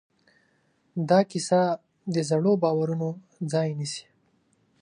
دا کیسه د زړو باورونو ځای نيسي.